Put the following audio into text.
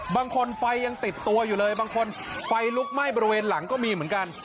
ไฟยังติดตัวอยู่เลยบางคนไฟลุกไหม้บริเวณหลังก็มีเหมือนกัน